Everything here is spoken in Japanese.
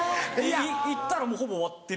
行ったらもうほぼ終わってる。